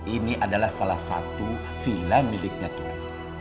ini adalah salah satu villa miliknya tuhan